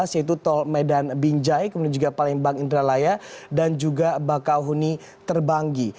yaitu tol medan binjai kemudian juga palembang indralaya dan juga bakau huni terbanggi